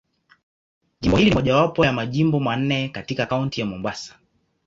Jimbo hili ni mojawapo ya Majimbo manne katika Kaunti ya Mombasa.